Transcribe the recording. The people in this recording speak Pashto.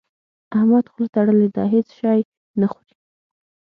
احمد خوله تړلې ده؛ هيڅ شی نه خوري.